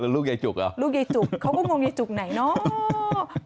ลูกยายจุกเหรอลูกยายจุกเขาก็งงยายจุกไหนเนาะ